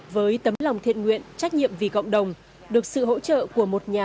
với trường quay ạ